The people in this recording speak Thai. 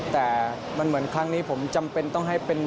แต่มันเหมือนครั้งนี้ผมจำเป็นต้องให้เป็น